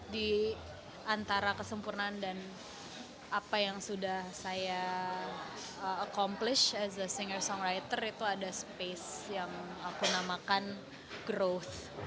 di antara kesempurnaan dan apa yang sudah saya accomplace as a singer song writer itu ada space yang aku namakan growth